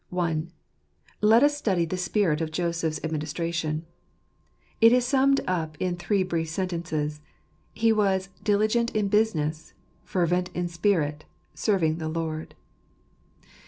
I. Let us Study the Spirit of Joseph's Administra tion. It is summed up in three brief sentences : He was "diligent in business, fervent in spirit, serving the Lord."